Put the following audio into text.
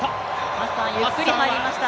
ハッサン、ゆっくり入りました。